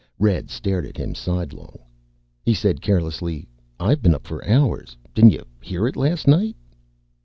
Red stared at him sidelong. He said carelessly, "I've been up for hours. Didn't you hear it last night?"